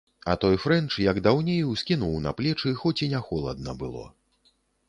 А той фрэнч, як даўней, ускінуў на плечы, хоць і не холадна было.